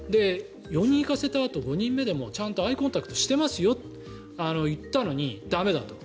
４人行かせたあと５人目でもちゃんとアイコンタクトしてますよと言ったのに駄目だと。